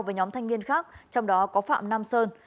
với nhóm thanh niên khác trong đó có phạm nam sơn